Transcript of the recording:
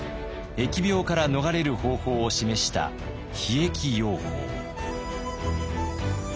疫病から逃れる方法を示した「避疫要法」。